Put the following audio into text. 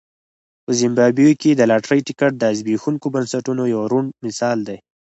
په زیمبابوې کې د لاټرۍ ټکټ د زبېښونکو بنسټونو یو روڼ مثال دی.